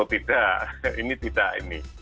tidak ini tidak ini